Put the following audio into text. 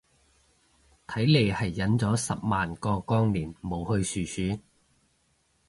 睇嚟係忍咗十萬個光年冇去殊殊